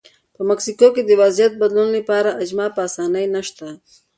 په مکسیکو کې د وضعیت بدلون لپاره اجماع په اسانۍ نشته.